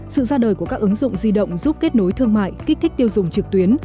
sự ra đời của các ứng dụng di động giúp kết nối thương mại kích thích tiêu dùng trực tuyến